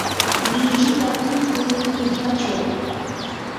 lichita timpuy tullpachaw.